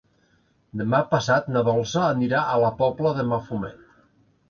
Demà passat na Dolça anirà a la Pobla de Mafumet.